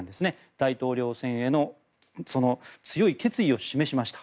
大統領選への強い決意を示しました。